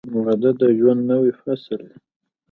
• واده د ژوند نوی فصل دی.